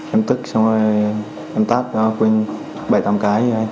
em tức xong em tát quên bảy tám cái rồi